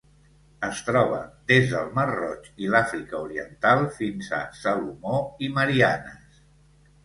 Es troba des del Mar Roig i l'Àfrica Oriental fins a Salomó i Mariannes.